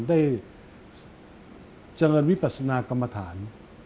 ได้เจริญวิปัสนากรรมฐาน